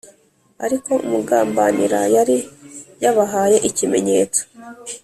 Ariko umugambanira yari yabahaye ikimenyetso